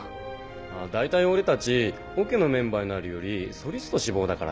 大体俺たちオケのメンバーになるよりソリスト志望だからな。